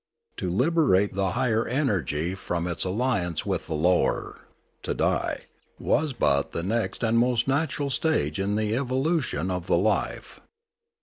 To liberate the higher energy from its alliance with the lower, to die, was but the next and most natural stage in the evolu tion of the life.